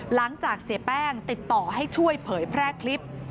เสียแป้งติดต่อให้ช่วยเผยแพร่คลิป